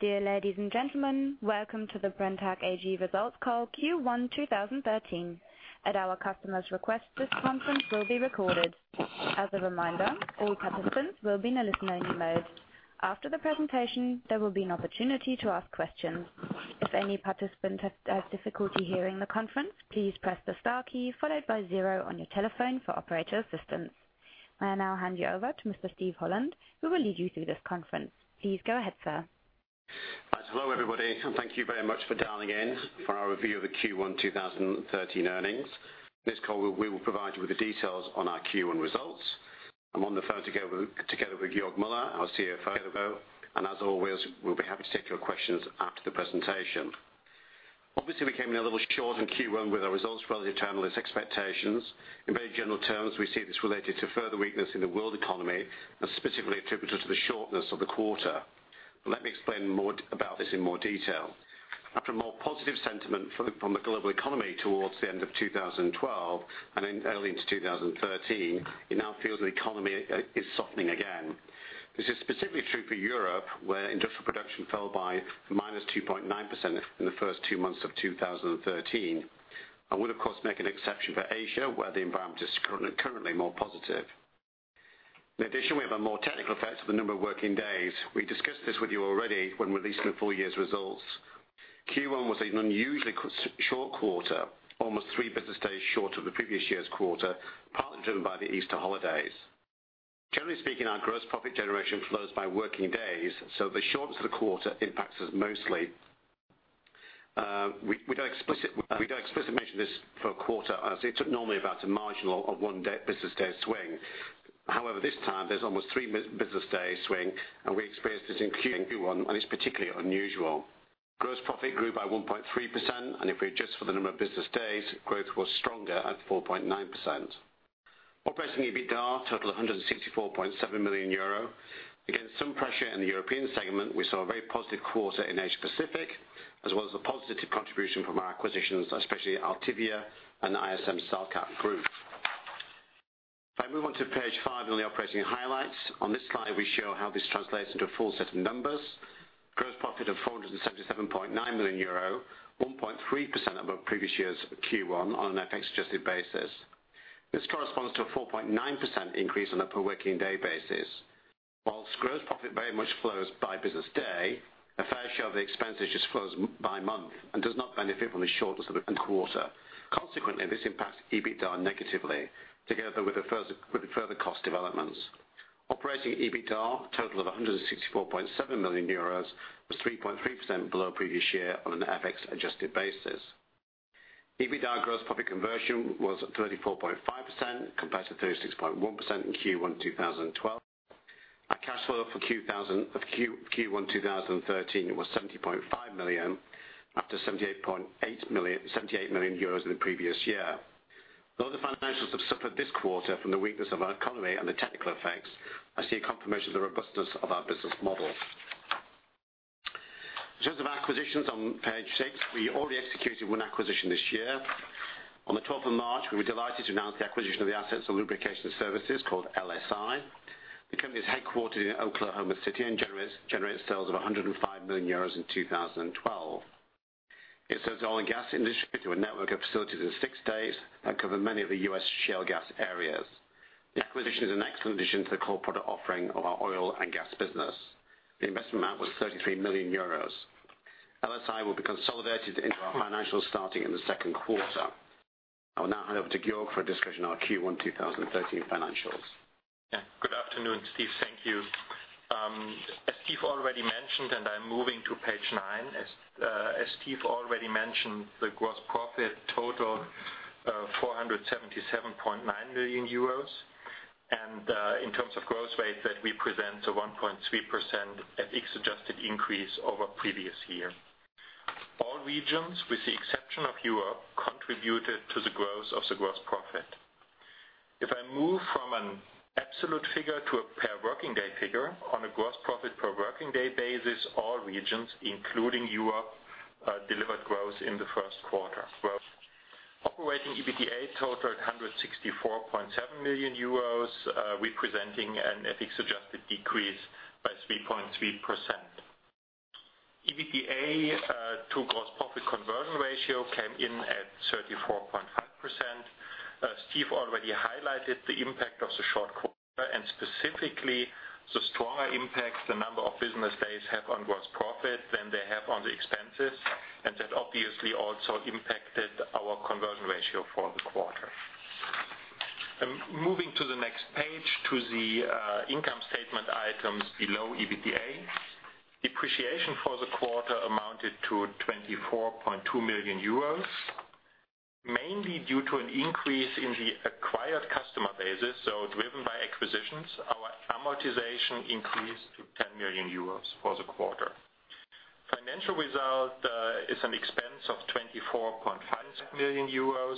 Dear ladies and gentlemen. Welcome to the Brenntag AG results call Q1 2013. At our customers' request, this conference will be recorded. As a reminder, all participants will be in a listening-only mode. After the presentation, there will be an opportunity to ask questions. If any participant has difficulty hearing the conference, please press the star key followed by zero on your telephone for operator assistance. I will now hand you over to Mr. Steven Holland, who will lead you through this conference. Please go ahead, sir. Hello, everybody, thank you very much for dialing in for our review of the Q1 2013 earnings. In this call, we will provide you with the details on our Q1 results. I'm on the phone together with Georg Müller, our CFO, as always, we'll be happy to take your questions after the presentation. Obviously, we came in a little short in Q1 with our results relative to analyst expectations. In very general terms, we see this related to further weakness in the world economy, specifically attributable to the shortness of the quarter. Let me explain about this in more detail. After a more positive sentiment from the global economy towards the end of 2012 and early into 2013, it now feels the economy is softening again. This is specifically true for Europe, where industrial production fell by -2.9% in the first two months of 2013. I would, of course, make an exception for Asia, where the environment is currently more positive. In addition, we have a more technical effect of the number of working days. We discussed this with you already when releasing the full year's results. Q1 was an unusually short quarter, almost three business days short of the previous year's quarter, partly driven by the Easter holidays. Generally speaking, our gross profit generation flows by working days, the shortness of the quarter impacts us mostly. We don't explicitly mention this per quarter as it's normally about a marginal of one business day swing. However, this time there's almost three business day swing, we experienced this in Q1, it's particularly unusual. Gross profit grew by 1.3%, if we adjust for the number of business days, growth was stronger at 4.9%. Operating EBITDA totaled 164.7 million euro. Against some pressure in the European segment, we saw a very positive quarter in Asia Pacific, as well as the positive contribution from our acquisitions, especially Altivia and ISM-Sarca Group. If I move on to page five on the operating highlights. On this slide, we show how this translates into a full set of numbers. Gross profit of 477.9 million euro, 1.3% above previous year's Q1 on an FX-adjusted basis. This corresponds to a 4.9% increase on a per-working day basis. Whilst gross profit very much flows by business day, a fair share of the expenses just flows by month and does not benefit from the shortness of the quarter. Consequently, this impacts EBITDA negatively, together with the further cost developments. Operating EBITDA, a total of 164.7 million euros, was 3.3% below previous year on an FX-adjusted basis. EBITDA gross profit conversion was 34.5% compared to 36.1% in Q1 2012. Our cash flow for Q1 2013 was 70.5 million after 78 million euros in the previous year. Though the financials have suffered this quarter from the weakness of our economy and the technical effects, I see a confirmation of the robustness of our business model. In terms of acquisitions on page six, we already executed one acquisition this year. On the 12th of March, we were delighted to announce the acquisition of the assets of Lubrication Services called LSI. The company is headquartered in Oklahoma City and generates sales of 105 million euros in 2012. It serves oil and gas industry through a network of facilities in six states that cover many of the U.S. shale gas areas. The acquisition is an excellent addition to the core product offering of our oil and gas business. The investment amount was 33 million euros. LSI will be consolidated into our financials starting in the second quarter. I will now hand over to Georg for a discussion on our Q1 2013 financials. Good afternoon, Steve. Thank you. As Steve already mentioned, I'm moving to page nine. As Steve already mentioned, the gross profit total, 477.9 million euros. In terms of growth rate, that represents a 1.3% FX-adjusted increase over previous year. All regions, with the exception of Europe, contributed to the growth of the gross profit. If I move from an absolute figure to a per working day figure. On a gross profit per working day basis, all regions, including Europe, delivered growth in the first quarter. Operating EBITDA totaled 164.7 million euros, representing an FX-adjusted decrease by 3.3%. EBITDA to gross profit conversion ratio came in at 34.5%. As Steve already highlighted, the impact of the short quarter and specifically the stronger impact the number of business days have on gross profit than they have on the expenses, that obviously also impacted our conversion ratio for the quarter. Moving to the next page, to the income statement items below EBITDA. Depreciation for the quarter amounted to 24.2 million euros, mainly due to an increase in the acquired customer bases. Driven by acquisitions, our amortization increased to 10 million euros for the quarter. Financial result is an expense of 24.5 million euros.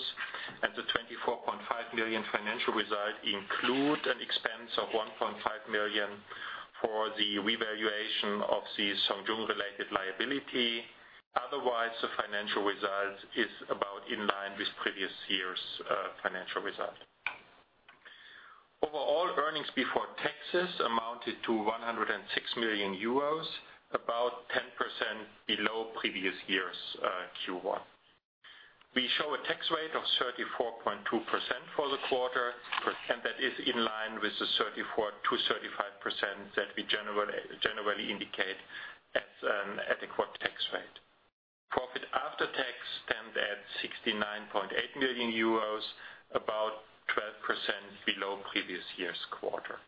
The 24.5 million financial result include an expense of 1.5 million for the revaluation of the Zhong Yung-related liability. Otherwise, the financial result is about in line with previous year's financial result. Earnings before taxes amounted to 106 million euros, about 10% below previous year's Q1. We show a tax rate of 34.2% for the quarter, that is in line with the 34%-35% that we generally indicate as an adequate tax rate. Profit after tax stands at 69.8 million euros, about 12% below previous year's quarter.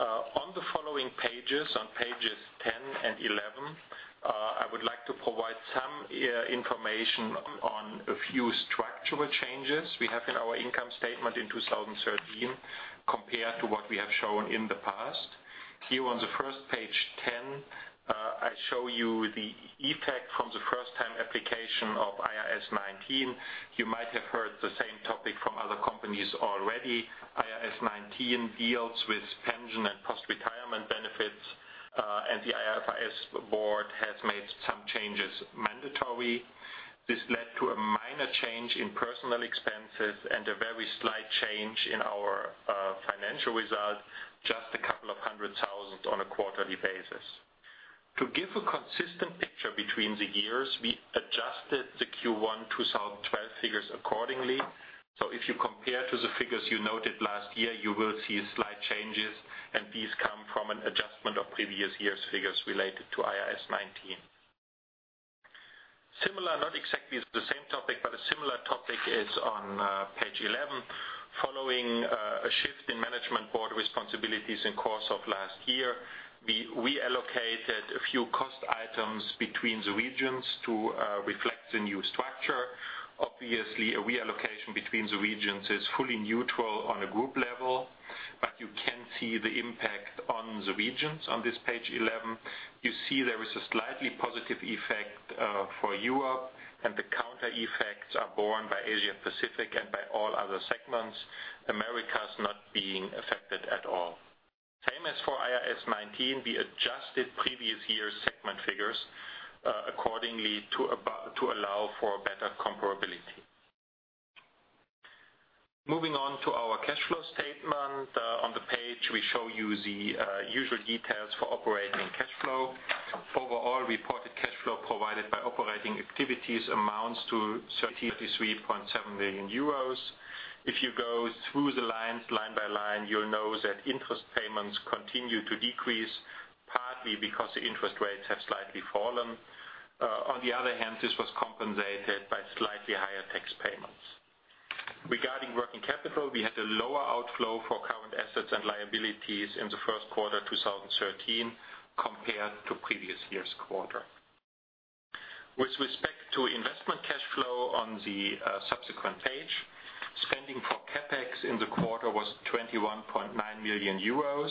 On the following pages, on pages 10 and 11, I would like to provide some information on a few structural changes we have in our income statement in 2013 compared to what we have shown in the past. Here on the first page, 10, I show you the effect from the first-time application of IAS 19. You might have heard the same topic from other companies already. IAS 19 deals with pension and post-retirement benefits, and the IFRS board has made some changes mandatory. This led to a minor change in personal expenses and a very slight change in our financial results, just a couple of hundred thousand on a quarterly basis. To give a consistent picture between the years, we adjusted the Q1 2012 figures accordingly. If you compare to the figures you noted last year, you will see slight changes, and these come from an adjustment of previous year's figures related to IAS 19. Similar, not exactly the same topic, but a similar topic is on page 11. Following a shift in management board responsibilities in course of last year, we reallocated a few cost items between the regions to reflect the new structure. Obviously, a reallocation between the regions is fully neutral on a group level, but you can see the impact on the regions on this page 11. You see there is a slightly positive effect for Europe, and the counter effects are borne by Asia Pacific and by all other segments, Americas not being affected at all. Same as for IAS 19, we adjusted previous year's segment figures accordingly to allow for better comparability. Moving on to our cash flow statement. On the page, we show you the usual details for operating cash flow. Overall, reported cash flow provided by operating activities amounts to 33.7 million euros. If you go through the lines line by line, you'll know that interest payments continue to decrease, partly because the interest rates have slightly fallen. On the other hand, this was compensated by slightly higher tax payments. Regarding working capital, we had a lower outflow for current assets and liabilities in the first quarter 2013 compared to previous year's quarter. With respect to investment cash flow on the subsequent page, spending for CapEx in the quarter was 21.9 million euros.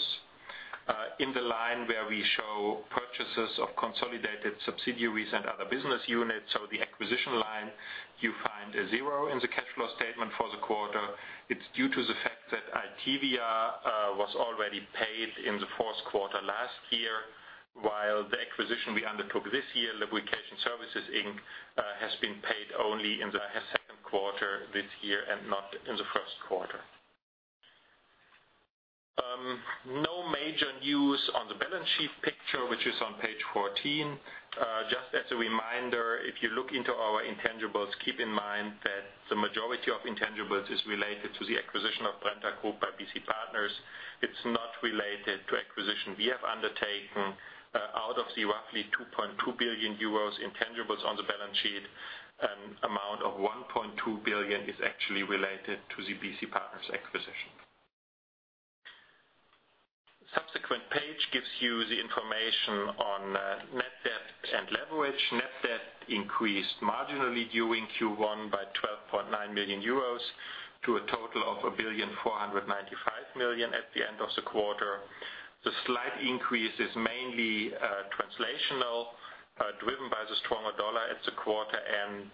In the line where we show purchases of consolidated subsidiaries and other business units, so the acquisition line, you find a zero in the cash flow statement for the quarter. It's due to the fact that Altivia was already paid in the fourth quarter last year, while the acquisition we undertook this year, Lubrication Services, LLC, has been paid only in the second quarter this year and not in the first quarter. No major news on the balance sheet picture, which is on page 14. Just as a reminder, if you look into our intangibles, keep in mind that the majority of intangibles is related to the acquisition of Brenntag Group by BC Partners. It's not related to acquisition we have undertaken. Out of the roughly 2.2 billion euros intangibles on the balance sheet, an amount of 1.2 billion is actually related to the BC Partners acquisition. Subsequent page gives you the information on net debt and leverage. Net debt increased marginally during Q1 by 12.9 million euros to a total of 1,495 million at the end of the quarter. The slight increase is mainly translational, driven by the stronger dollar at the quarter and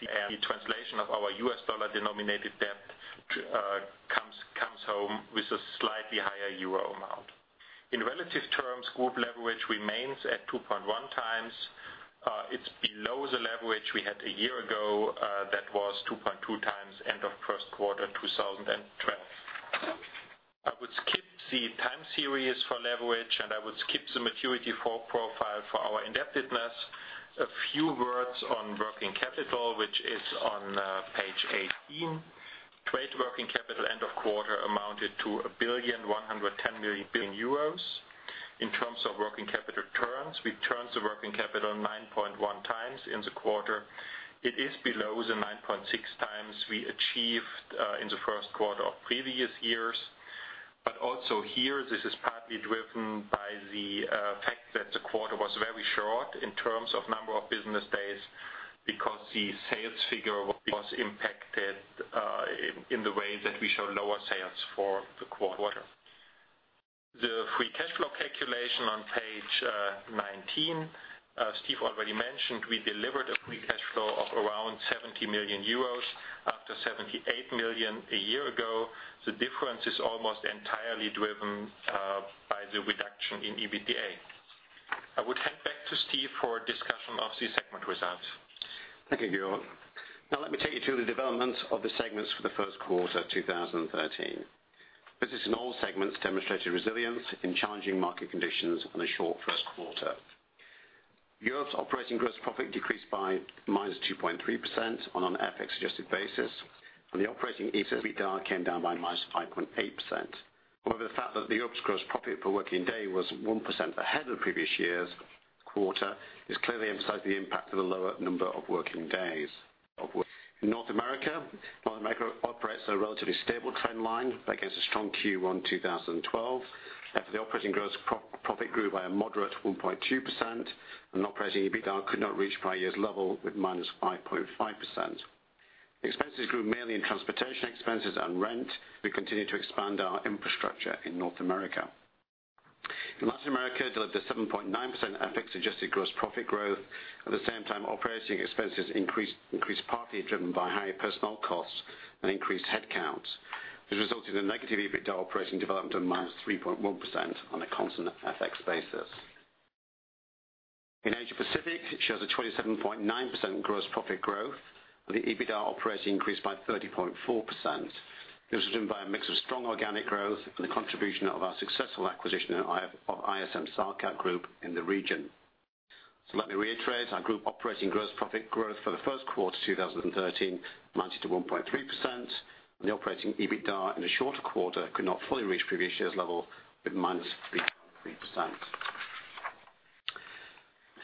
the translation of our US dollar-denominated debt comes home with a slightly higher euro amount. In relative terms, group leverage remains at 2.1 times. It is below the leverage we had a year ago that was 2.2 times end of first quarter 2012. I would skip the time series for leverage, and I would skip the maturity profile for our indebtedness. A few words on working capital, which is on page 18. Trade working capital end of quarter amounted to 1,110 million. In terms of working capital turns, we turned the working capital 9.1 times in the quarter. It is below the 9.6 times we achieved in the first quarter of previous years. Also here, this is partly driven by the fact that the quarter was very short in terms of number of business days because the sales figure was impacted in the way that we show lower sales for the quarter. The free cash flow calculation on page 19. As Steve already mentioned, we delivered a free cash flow of around 70 million euros after 78 million a year ago. The difference is almost entirely driven by the reduction in EBITDA. I would hand back to Steve for a discussion of the segment results. Thank you, Georg. Now let me take you through the developments of the segments for the first quarter of 2013. Business in all segments demonstrated resilience in challenging market conditions on a short first quarter. Europe's operating gross profit decreased by -2.3% on an FX-adjusted basis, and the operating EBITDA came down by -5.8%. However, the fact that Europe's gross profit per working day was 1% ahead of previous year's quarter is clearly emphasized the impact of a lower number of working days. In North America, operates at a relatively stable trend line against a strong Q1 2012. The operating gross profit grew by a moderate 1.2%, and operating EBITDA could not reach prior year's level with -5.5%. Expenses grew mainly in transportation expenses and rent. We continue to expand our infrastructure in North America. In Latin America, delivered 7.9% FX-adjusted gross profit growth. At the same time, operating expenses increased, partly driven by higher personnel costs and increased headcounts. This resulted in negative EBITDA operating development of -3.1% on a constant FX basis. In Asia Pacific, it shows a 27.9% gross profit growth, and the EBITDA operating increased by 30.4%. This was driven by a mix of strong organic growth and the contribution of our successful acquisition of ISM-Sarca Group in the region. Let me reiterate, our group operating gross profit growth for the first quarter 2013 amounted to 1.3%, and the operating EBITDA in a shorter quarter could not fully reach previous year's level with -3.3%.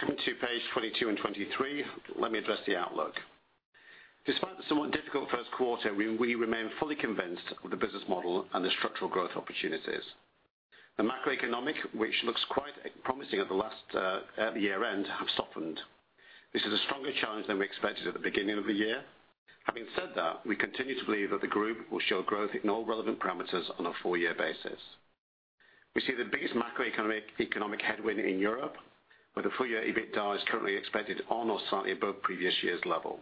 Coming to page 22 and 23, let me address the outlook. Despite the somewhat difficult first quarter, we remain fully convinced of the business model and the structural growth opportunities. The macroeconomic, which looks quite promising at the year-end, has softened. This is a stronger challenge than we expected at the beginning of the year. Having said that, we continue to believe that the group will show growth in all relevant parameters on a full year basis. We see the biggest macroeconomic headwind in Europe, where the full year EBITDA is currently expected on or slightly above previous year's level.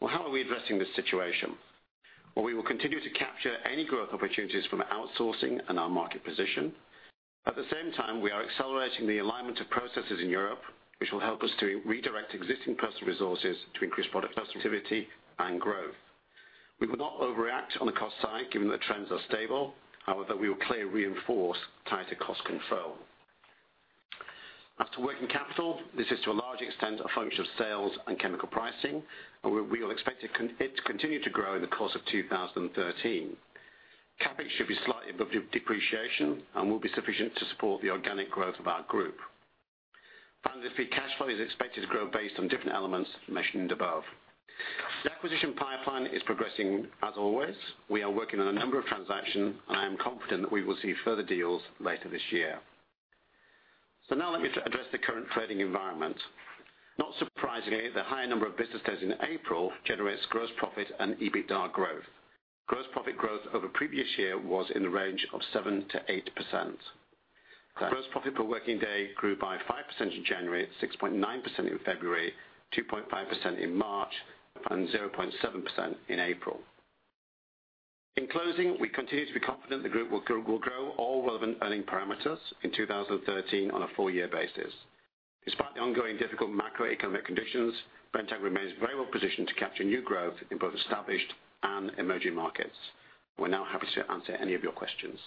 How are we addressing this situation? We will continue to capture any growth opportunities from outsourcing and our market position. At the same time, we are accelerating the alignment of processes in Europe, which will help us to redirect existing personal resources to increase product profitability and growth. We will not overreact on the cost side, given that trends are stable. However, we will clearly reinforce tighter cost control. After working capital, this is to a large extent a function of sales and chemical pricing, and we will expect it to continue to grow in the course of 2013. CapEx should be slightly above depreciation and will be sufficient to support the organic growth of our group. Finally, free cash flow is expected to grow based on different elements mentioned above. The acquisition pipeline is progressing as always. We are working on a number of transactions, and I am confident that we will see further deals later this year. Now let me address the current trading environment. Not surprisingly, the higher number of business days in April generates gross profit and EBITDA growth. Gross profit growth over the previous year was in the range of 7%-8%. Gross profit per working day grew by 5% in January, 6.9% in February, 2.5% in March, and 0.7% in April. In closing, we continue to be confident the group will grow all relevant earning parameters in 2013 on a full year basis. Despite the ongoing difficult macroeconomic conditions, Brenntag remains very well positioned to capture new growth in both established and emerging markets. We're now happy to answer any of your questions.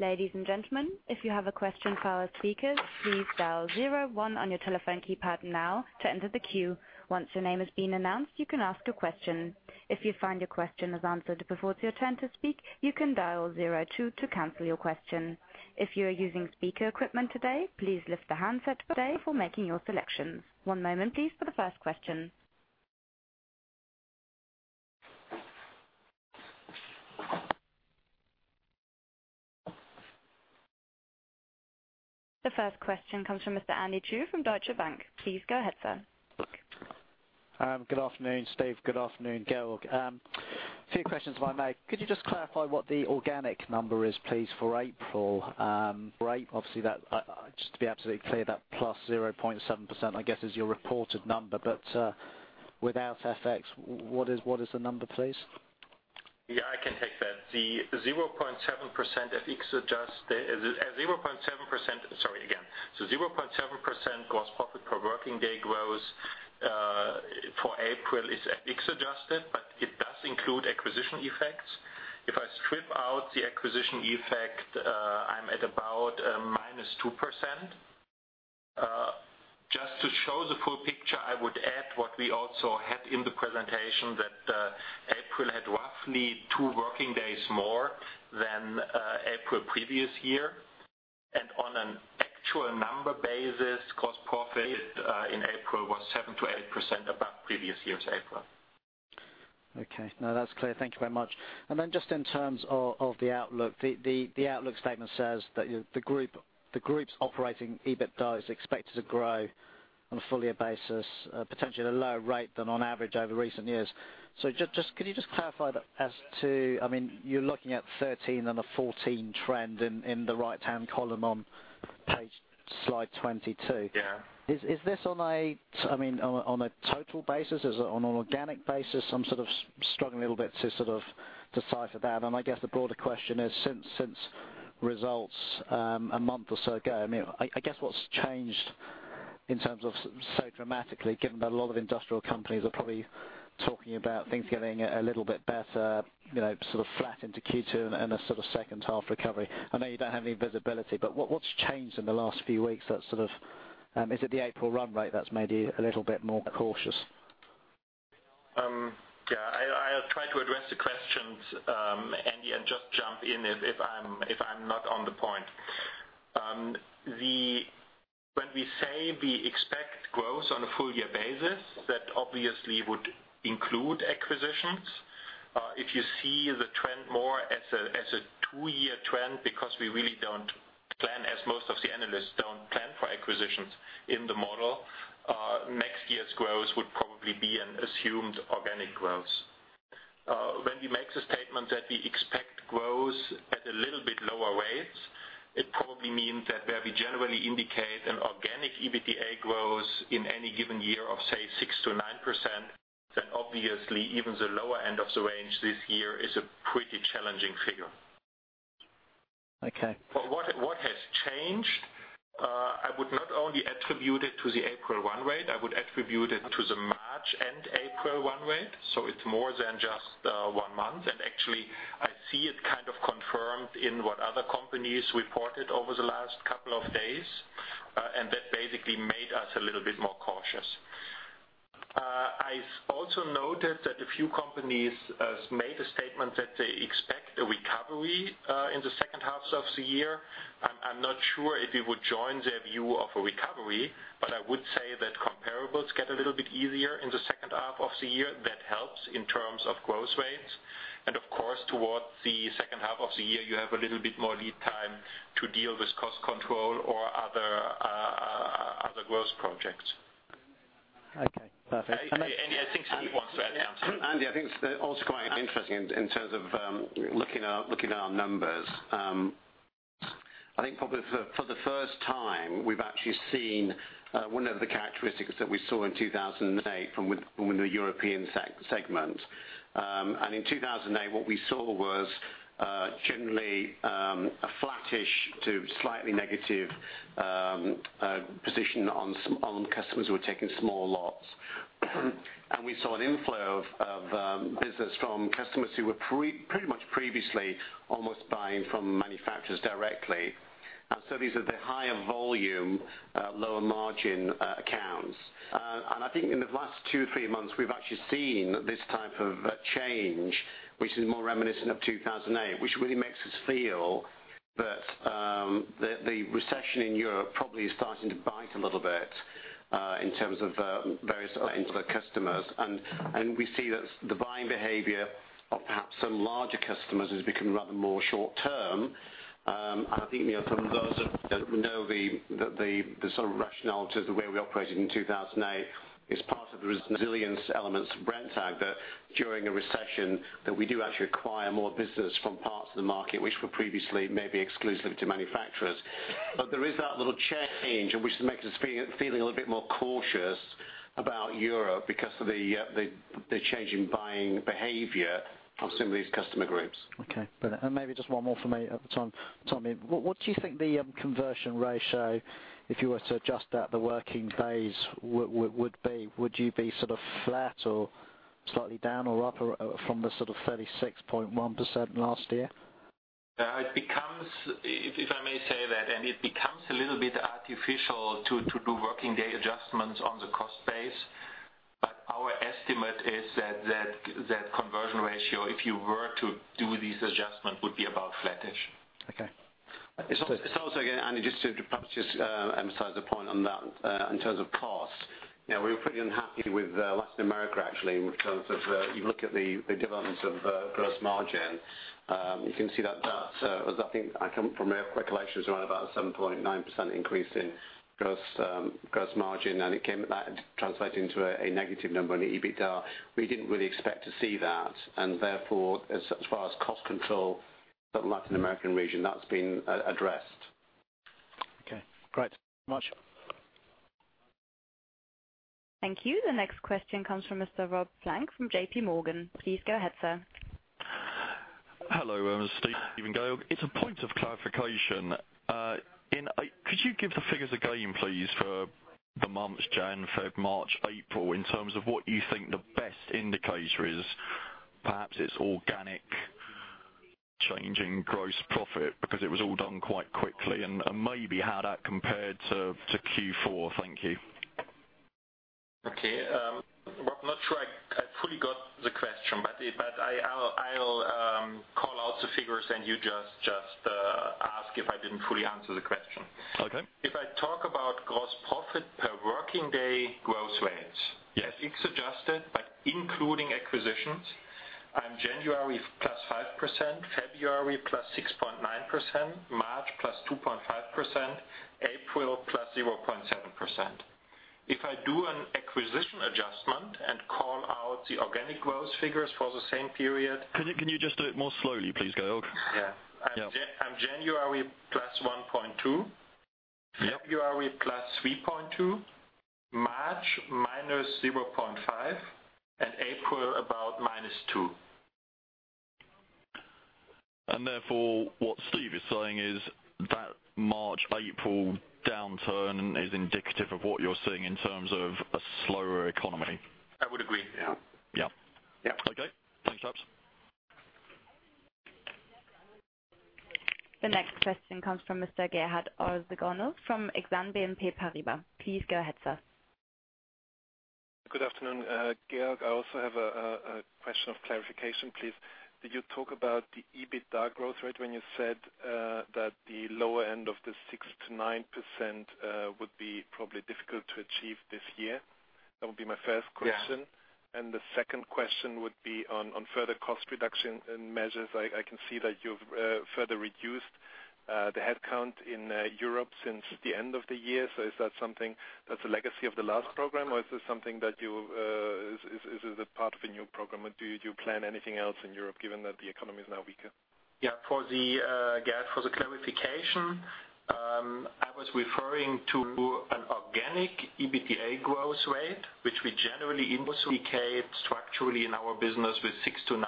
Ladies and gentlemen, if you have a question for our speakers, please dial 01 on your telephone keypad now to enter the queue. Once your name has been announced, you can ask a question. If you find your question is answered before it's your turn to speak, you can dial 02 to cancel your question. If you are using speaker equipment today, please lift the handset today before making your selections. One moment please for the first question. The first question comes from Mr. Andy Chu from Deutsche Bank. Please go ahead, sir. Good afternoon, Steve. Good afternoon, Georg. A few questions, if I may. Could you just clarify what the organic number is, please, for April? Obviously, just to be absolutely clear, that +0.7%, I guess, is your reported number, but without FX, what is the number, please? Yeah, I can take that. The 0.7% gross profit per working day growth for April is FX adjusted, but it does include acquisition effects. If I strip out the acquisition effect, I'm at about -2%. Just to show the full picture, I would add what we also had in the presentation, that April had roughly two working days more than April previous year. On an actual number basis, gross profit in April was 7%-8% above the previous year's April. Okay. No, that's clear. Thank you very much. Just in terms of the outlook. The outlook statement says that the group's operating EBITDA is expected to grow on a full year basis, potentially at a lower rate than on average over recent years. Could you just clarify as to, you're looking at 2013 and a 2014 trend in the right-hand column on Page slide 22. Yeah. Is this on a total basis? Is it on an organic basis? I'm struggling a little bit to decipher that. I guess the broader question is since results a month or so ago, I guess what's changed in terms of so dramatically, given that a lot of industrial companies are probably talking about things getting a little bit better, sort of flat into Q2 and a sort of second half recovery. I know you don't have any visibility, but what's changed in the last few weeks? Is it the April run rate that's made you a little bit more cautious? I'll try to address the questions, Andy, and just jump in if I'm not on the point. When we say we expect growth on a full year basis, that obviously would include acquisitions. If you see the trend more as a two-year trend, because we really don't plan, as most of the analysts don't plan for acquisitions in the model, next year's growth would probably be an assumed organic growth. When we make the statement that we expect growth at a little bit lower rates, it probably means that where we generally indicate an organic EBITDA growth in any given year of, say, 6%-9%, then obviously even the lower end of the range this year is a pretty challenging figure. Okay. What has changed, I would not only attribute it to the April run rate. I would attribute it to the March and April run rate, so it's more than just one month. Actually, I see it kind of confirmed in what other companies reported over the last couple of days. That basically made us a little bit more cautious. I also noted that a few companies made a statement that they expect a recovery in the second half of the year. I'm not sure if we would join their view of a recovery, but I would say that comparables get a little bit easier in the second half of the year. That helps in terms of growth rates. Of course, towards the second half of the year, you have a little bit more lead time to deal with cost control or other growth projects. Okay, perfect. Andy, I think Steve wants to add something. Andy, I think it's also quite interesting in terms of looking at our numbers. I think probably for the first time, we've actually seen one of the characteristics that we saw in 2008 from within the European segment. In 2008, what we saw was generally a flattish to slightly negative position on customers who were taking small lots. We saw an inflow of business from customers who were pretty much previously almost buying from manufacturers directly. These are the higher volume, lower margin accounts. I think in the last two, three months, we've actually seen this type of change, which is more reminiscent of 2008, which really makes us feel that the recession in Europe probably is starting to bite a little bit in terms of various end of the customers. We see that the buying behavior of perhaps some larger customers has become rather more short-term. I think, for those that know the sort of rationale to the way we operated in 2008 is part of the resilience elements of Brenntag that during a recession, that we do actually acquire more business from parts of the market, which were previously maybe exclusive to manufacturers. There is that little change which makes us feeling a little bit more cautious about Europe because of the change in buying behavior from some of these customer groups. Okay. Brilliant. Maybe just one more for me at the time. Tell me, what do you think the conversion ratio, if you were to adjust that, the working days would be? Would you be sort of flat or slightly down or up from the 36.1% last year? Yeah. If I may say that, Andy, it becomes a little bit artificial to do working day adjustments on the cost base. Our estimate is that conversion ratio, if you were to do these adjustments, would be about flattish. Okay. It's also, again, Andy, just to perhaps just emphasize the point on that in terms of costs. We were pretty unhappy with Latin America actually, in terms of you look at the developments of gross margin. You can see that that, from my recollection, is around about a 7.9% increase in gross margin, and that translated into a negative number on the EBITDA. We didn't really expect to see that, and therefore, as far as cost control for Latin American region, that's been addressed. Okay, great. Thank you very much. Thank you. The next question comes from Mr. Rob Flank from JPMorgan. Please go ahead, sir. Hello, Steven. It's a point of clarification. Could you give the figures again, please, for the months January, February, March, April, in terms of what you think the best indicator is? Perhaps it's organic changing gross profit because it was all done quite quickly, and maybe how that compared to Q4. Thank you. Okay. Rob, I'm not sure I fully got the question. I'll call out the figures and you just ask if I didn't fully answer the question. Okay. If I talk about gross profit per working day growth rates. Yes FX adjusted, including acquisitions, January, +5%, February, +6.9%, March, +2.5%, April, +0.7%. If I do an acquisition adjustment, call out the organic growth figures for the same period. Can you just do it more slowly please, Georg? Yeah. Yeah. January, plus 1.2. Yeah. February, plus 3.2. March, minus 0.5. April, about minus two. Therefore, what Steve is saying is that March, April downturn is indicative of what you're seeing in terms of a slower economy. I would agree, yeah. Yeah. Yeah. Okay. Thanks, chaps. The next question comes from Mr. Gerhard Orzessego from Exane BNP Paribas. Please go ahead, sir. Good afternoon. Georg, I also have a question of clarification, please. Did you talk about the EBITDA growth rate when you said that the lower end of the 6%-9% would be probably difficult to achieve this year? That would be my first question. Yeah. The second question would be on further cost reduction and measures. I can see that you've further reduced the head count in Europe since the end of the year. Is that something that's a legacy of the last program, or is this something that is a part of a new program, or do you plan anything else in Europe given that the economy is now weaker? Yeah. For the clarification, I was referring to an organic EBITDA growth rate, which we generally indicate structurally in our business with 6%-9%.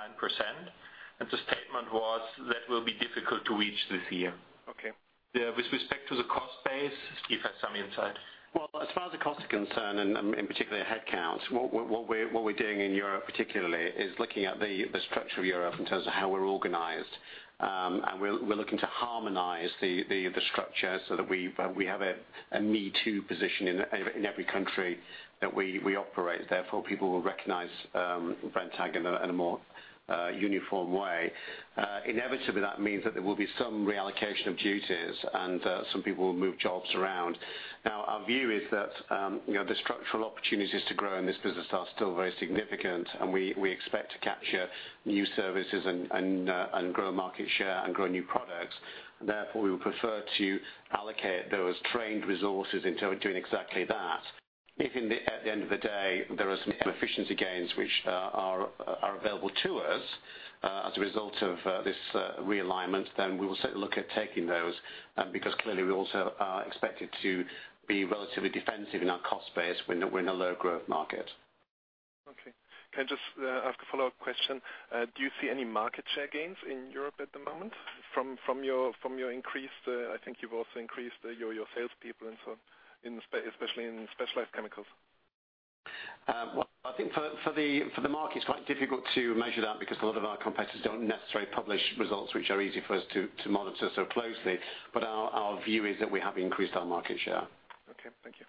The statement was that will be difficult to reach this year. Okay. Yeah, with respect to the cost base, Steve has some insight. Well, as far as the cost are concerned, in particular, headcount, what we're doing in Europe particularly, is looking at the structure of Europe in terms of how we're organized. We're looking to harmonize the structure so that we have a me too position in every country that we operate. Therefore, people will recognize Brenntag in a more uniform way. Inevitably, that means that there will be some reallocation of duties and some people will move jobs around. Our view is that the structural opportunities to grow in this business are still very significant, we expect to capture new services and grow market share and grow new products. Therefore, we would prefer to allocate those trained resources into doing exactly that. If at the end of the day there is any efficiency gains, which are available to us, as a result of this realignment, we will certainly look at taking those, clearly we also are expected to be relatively defensive in our cost base. We're in a low growth market. Okay. Can I just ask a follow-up question? Do you see any market share gains in Europe at the moment from your increase? I think you've also increased your salespeople and so on, especially in specialized chemicals. Well, I think for the market, it's quite difficult to measure that because a lot of our competitors don't necessarily publish results which are easy for us to monitor so closely. Our view is that we have increased our market share. Okay. Thank you.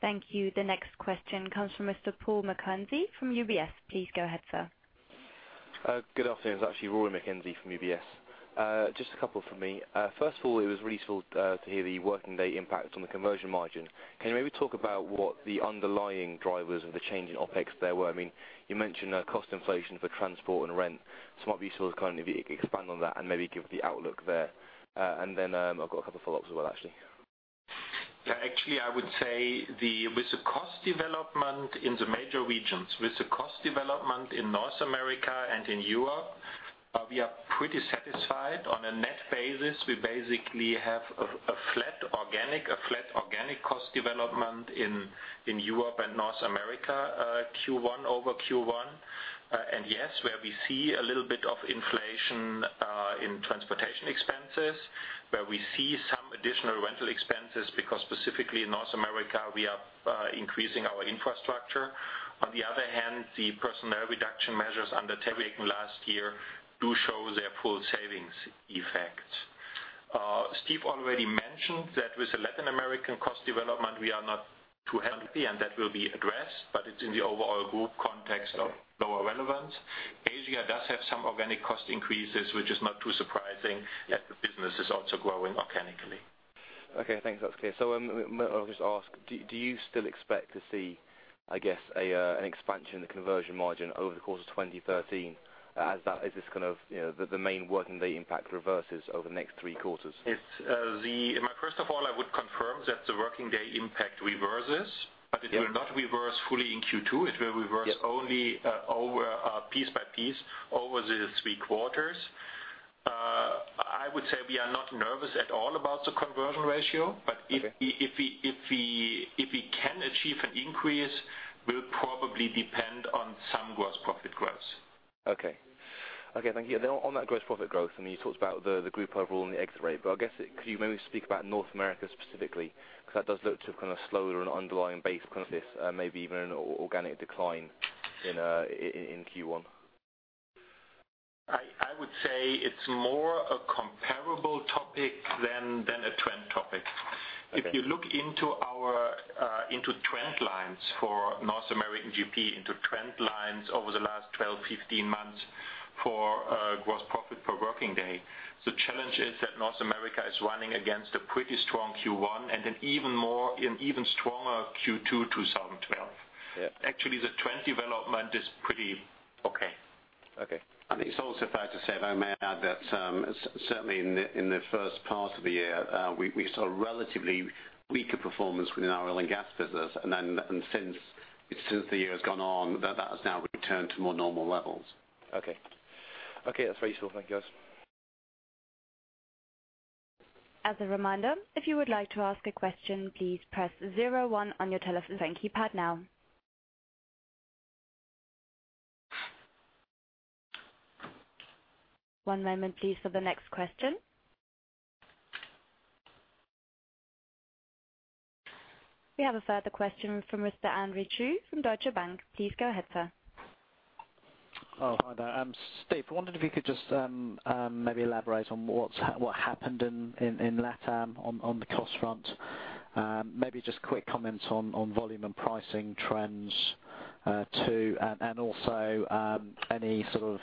Thank you. The next question comes from Mr. Rory McKenzie from UBS. Please go ahead, sir. Good afternoon. It's actually Rory McKenzie from UBS. Just a couple from me. First of all, it was really useful to hear the working day impact on the conversion margin. Can you maybe talk about what the underlying drivers of the change in OpEx there were? You mentioned cost inflation for transport and rent, so it might be useful to kind of expand on that and maybe give the outlook there. Then, I've got a couple of follow-ups as well, actually. Yeah. Actually, I would say with the cost development in the major regions, with the cost development in North America and in Europe, we are pretty satisfied. On a net basis, we basically have a flat organic cost development in Europe and North America, Q1 over Q1. Yes, where we see a little bit of inflation in transportation expenses, where we see some additional rental expenses, because specifically in North America, we are increasing our infrastructure. On the other hand, the personnel reduction measures undertaken last year do show their full savings effects. Steve already mentioned that with the Latin American cost development, we are not too happy, and that will be addressed, but it's in the overall group context of lower relevance. Asia does have some organic cost increases, which is not too surprising that the business is also growing organically. Okay, thanks. That's clear. Let me just ask. Do you still expect to see, I guess, an expansion in the conversion margin over the course of 2013 as this kind of the main working day impact reverses over the next three quarters? First of all, I would confirm that the working day impact reverses, but it will not reverse fully in Q2. Yeah. It will reverse only piece by piece over the three quarters. I would say we are not nervous at all about the conversion ratio. Okay. If we can achieve an increase, will probably depend on some gross profit growth. Okay. Thank you. On that gross profit growth, you talked about the group overall and the exit rate. Could you maybe speak about North America specifically? That does look to have slower and underlying base premise, maybe even an organic decline in Q1. I would say it's more a comparable topic than a trend topic. Okay. If you look into trend lines for North American GP, into trend lines over the last 12, 15 months for gross profit per working day, the challenge is that North America is running against a pretty strong Q1 and an even stronger Q2 2012. Yeah. Actually, the trend development is pretty okay. Okay. I think it's also fair to say, if I may add, that certainly in the first part of the year, we saw relatively weaker performance within our oil and gas business. Since the year has gone on, that has now returned to more normal levels. Okay. That's very useful. Thank you, guys. As a reminder, if you would like to ask a question, please press zero one on your telephone keypad now. One moment, please, for the next question. We have a further question from Mr. Andy Chu from Deutsche Bank. Please go ahead, sir. Hi there. Steve, I wondered if you could just maybe elaborate on what happened in LatAm on the cost front. Maybe just quick comments on volume and pricing trends, too. Also, any sort of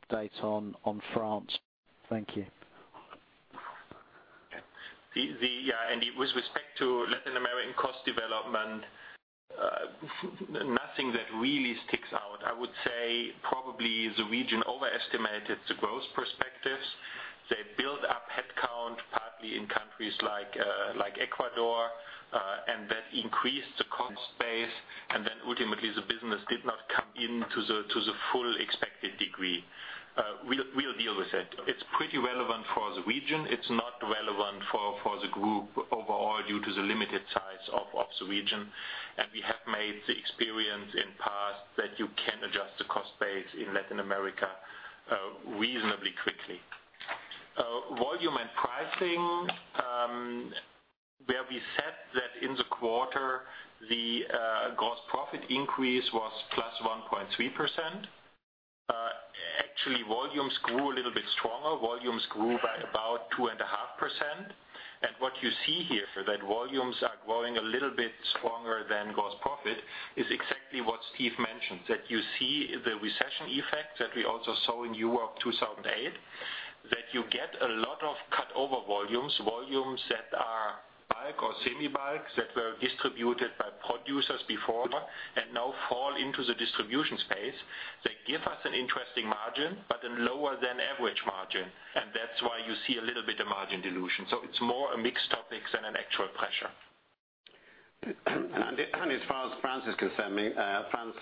update on France. Thank you. Andy, with respect to Latin American cost development, nothing that really sticks out. I would say probably the region overestimated the growth perspectives. They built up headcount, partly in countries like Ecuador, and that increased the cost base. Ultimately, the business did not come in to the full expected degree. We'll deal with it. It's pretty relevant for the region. It's not relevant for the group overall due to the limited size of the region. We have made the experience in the past that you can adjust the cost base in Latin America reasonably quickly. Volume and pricing, where we said that in the quarter, the gross profit increase was +1.3%. Actually, volumes grew a little bit stronger. Volumes grew by about 2.5%. What you see here, that volumes are growing a little bit stronger than gross profit, is exactly what Steve mentioned, that you see the recession effect that we also saw in Europe 2008. That you get a lot of cut-over volumes that are bulk or semi-bulk that were distributed by producers before and now fall into the distribution space. They give us an interesting margin, but a lower than average margin. That's why you see a little bit of margin dilution. It's more a mixed topic than an actual pressure. As far as France is concerning me, France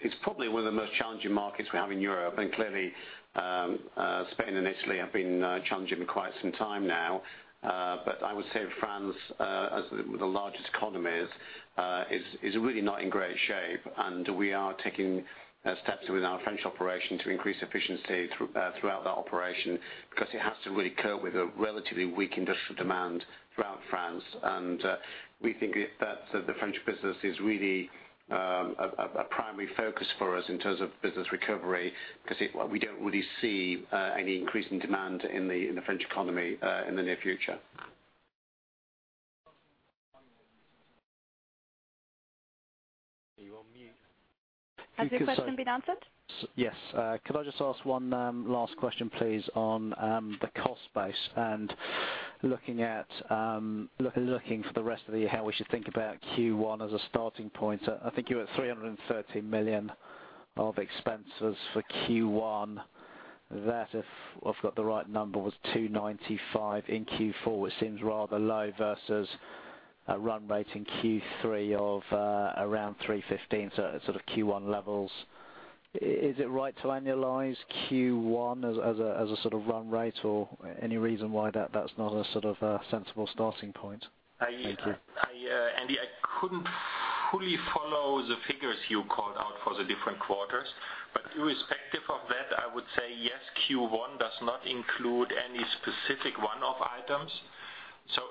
is probably one of the most challenging markets we have in Europe. Clearly, Spain and Italy have been challenging for quite some time now. I would say France, as the largest economy, is really not in great shape. We are taking steps within our French operation to increase efficiency throughout that operation because it has to really cope with a relatively weak industrial demand throughout France. We think that the French business is really a primary focus for us in terms of business recovery, because we don't really see any increase in demand in the French economy in the near future. You're on mute. Has your question been answered? Yes. Could I just ask one last question, please, on the cost base and looking for the rest of the year, how we should think about Q1 as a starting point? I think you were at 330 million of expenses for Q1. That, if I've got the right number, was 295 in Q4, which seems rather low versus a run rate in Q3 of around 315, so sort of Q1 levels. Is it right to annualize Q1 as a sort of run rate, or any reason why that's not a sort of sensible starting point? Thank you. Andy, I couldn't fully follow the figures you called out for the different quarters. Irrespective of that, I would say yes, Q1 does not include any specific one-off items.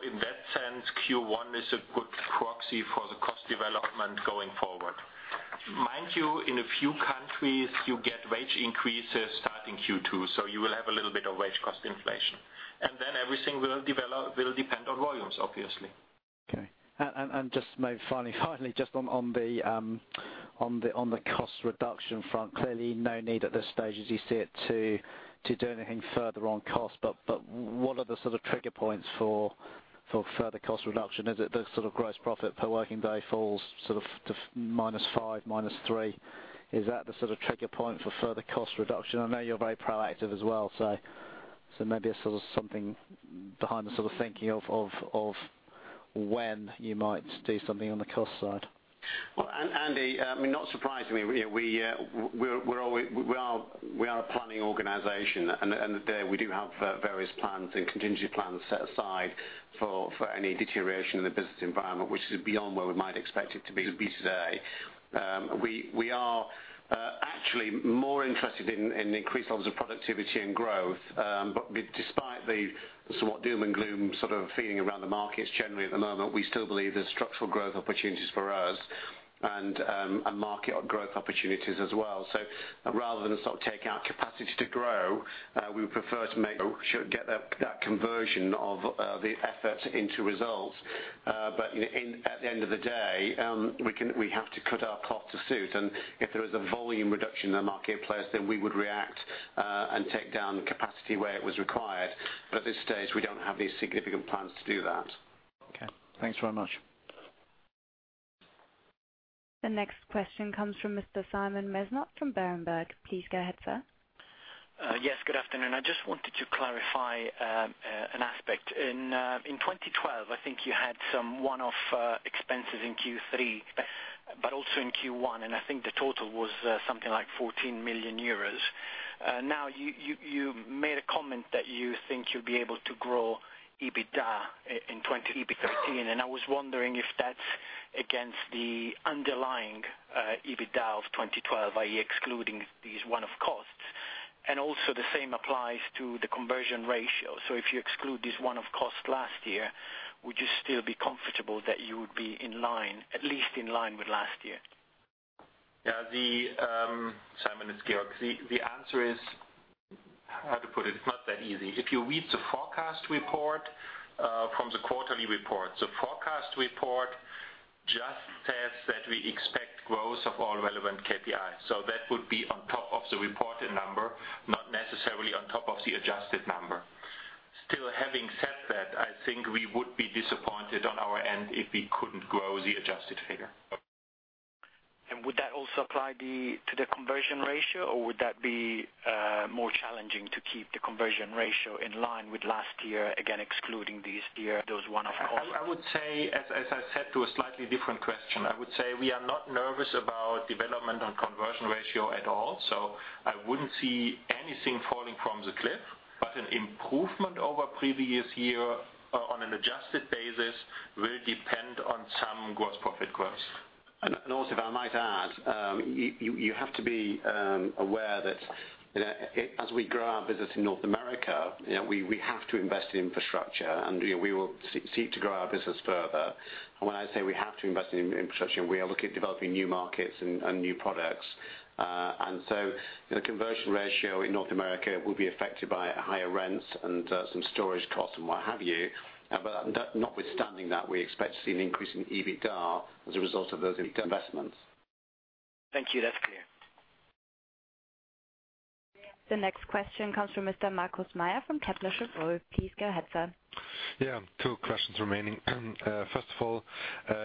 In that sense, Q1 is a good proxy for the cost development going forward. Mind you, in a few countries, you get wage increases starting Q2, you will have a little bit of wage cost inflation. Everything will depend on volumes, obviously. Okay. Just maybe finally, just on the cost reduction front. Clearly, no need at this stage as you see it to do anything further on cost, what are the sort of trigger points for further cost reduction? Is it the sort of gross profit per working day falls to minus five, minus three? Is that the sort of trigger point for further cost reduction? I know you're very proactive as well, so maybe a sort of something behind the sort of thinking of when you might do something on the cost side. Well, Andy, not surprisingly, we are a planning organization and we do have various plans and contingency plans set aside for any deterioration in the business environment, which is beyond where we might expect it to be today. We are actually more interested in increased levels of productivity and growth. Despite the somewhat doom and gloom sort of feeling around the markets generally at the moment, we still believe there's structural growth opportunities for us and market growth opportunities as well. Rather than take out capacity to grow, we would prefer to get that conversion of the effort into results. At the end of the day, we have to cut our cloth to suit. If there is a volume reduction in the marketplace, we would react and take down capacity where it was required. At this stage, we don't have any significant plans to do that. Okay. Thanks very much. The next question comes from Mr. Simon Mesnard from Berenberg. Please go ahead, sir. Yes, good afternoon. I just wanted to clarify an aspect. In 2012, I think you had some one-off expenses in Q3, but also in Q1, and I think the total was something like 14 million euros. You made a comment that you think you'll be able to grow EBITDA in 2013, and I was wondering if that's against the underlying EBITDA of 2012, i.e., excluding these one-off costs. Also the same applies to the conversion ratio. If you exclude this one-off cost last year, would you still be comfortable that you would be at least in line with last year? Yeah. Simon, it's Georg. The answer is, how to put it's not that easy. If you read the forecast report from the quarterly report, the forecast report just says that we expect growth of all relevant KPIs. That would be on top of the reported number, not necessarily on top of the adjusted number. Still, having said that, I think we would be disappointed on our end if we couldn't grow the adjusted figure. Would that also apply to the conversion ratio, or would that be more challenging to keep the conversion ratio in line with last year, again, excluding those one-off costs? As I said to a slightly different question, I would say we are not nervous about development on conversion ratio at all. I wouldn't see anything falling from the cliff. An improvement over previous year on an adjusted basis will depend on some gross profit growth. Also, if I might add, you have to be aware that as we grow our business in North America, we have to invest in infrastructure, and we will seek to grow our business further. When I say we have to invest in infrastructure, we are looking at developing new markets and new products. So the conversion ratio in North America will be affected by higher rents and some storage costs and what have you. Notwithstanding that, we expect to see an increase in EBITDA as a result of those investments. Thank you. That's clear. The next question comes from Mr. Markus Mayer from Kepler Cheuvreux. Please go ahead, sir. Yeah, two questions remaining. First of all,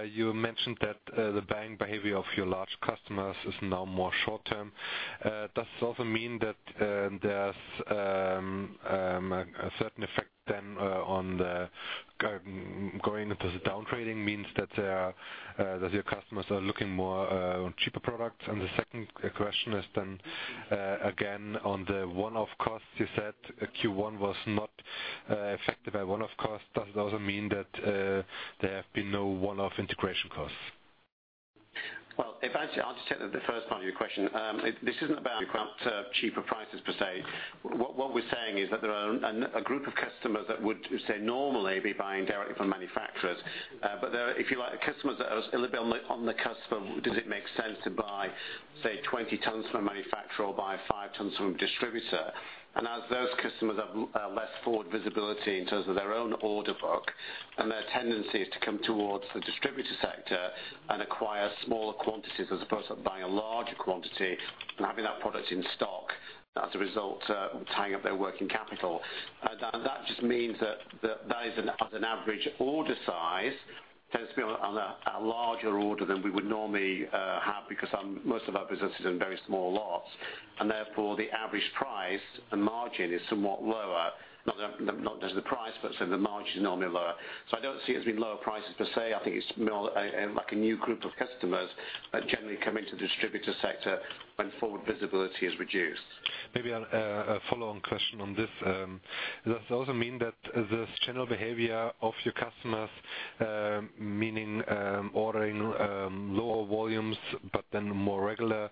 you mentioned that the buying behavior of your large customers is now more short-term. Does this also mean that there's a certain effect then on going into the downtrading means that your customers are looking more on cheaper products? The second question is again on the one-off costs. You said Q1 was not affected by one-off costs. Does it also mean that there have been no one-off integration costs? Well, I'll just take the first part of your question. This isn't about cheaper prices per se. What we're saying is that there are a group of customers that would, say, normally be buying directly from manufacturers. They are, if you like, the customers that are a little bit on the customer, does it make sense to buy, say, 20 tons from a manufacturer or buy five tons from a distributor? As those customers have less forward visibility in terms of their own order book and their tendency is to come towards the distributor sector and acquire smaller quantities as opposed to buying a larger quantity and having that product in stock as a result, tying up their working capital. That just means that as an average order size tends to be on a larger order than we would normally have, because most of our business is in very small lots, therefore the average price and margin is somewhat lower. Not just the price, but say the margin is normally lower. I don't see it as being lower prices per se. I think it's more like a new group of customers that generally come into the distributor sector when forward visibility is reduced. Maybe a follow-on question on this. Does it also mean that this general behavior of your customers, meaning ordering lower volumes but then more regular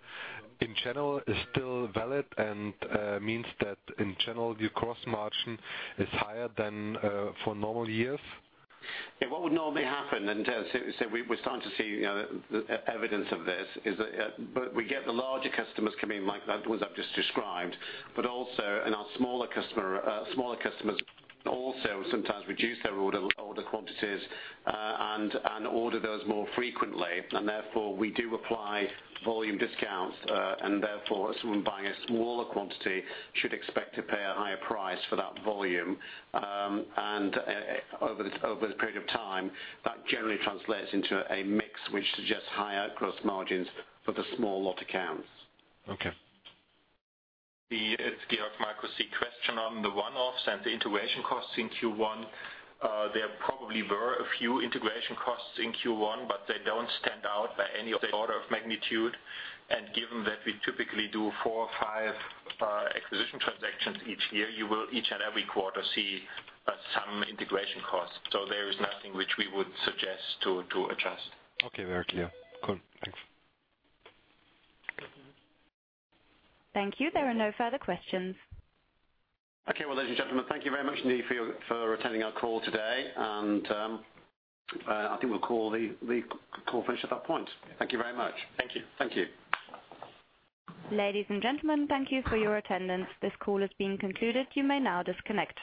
in general, is still valid and means that in general, your gross margin is higher than for normal years? Yeah. What would normally happen, and so we're starting to see evidence of this, is that we get the larger customers come in like the ones I've just described, but also in our smaller customers also sometimes reduce their order quantities and order those more frequently. Therefore, we do apply volume discounts. Therefore, someone buying a smaller quantity should expect to pay a higher price for that volume. Over the period of time, that generally translates into a mix which suggests higher gross margins for the small lot accounts. Okay. It's Georg. Markus, the question on the one-offs and the integration costs in Q1. There probably were a few integration costs in Q1, but they don't stand out by any of the order of magnitude. Given that we typically do four or five acquisition transactions each year, you will each and every quarter see some integration costs. There is nothing which we would suggest to adjust. Okay. Very clear. Cool. Thanks. Thank you. There are no further questions. Okay. Well, ladies and gentlemen, thank you very much indeed for attending our call today, and I think we'll call the call finished at that point. Thank you very much. Thank you. Thank you. Ladies and gentlemen, thank you for your attendance. This call has been concluded. You may now disconnect.